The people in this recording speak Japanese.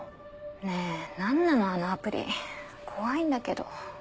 ねぇ何なのあのアプリ怖いんだけど。